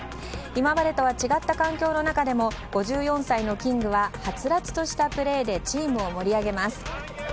今までとは違った環境の中でも５４歳のキングははつらつとしたプレーでチームを盛り上げます。